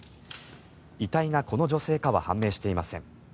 遺体がこの女性かは判明していません。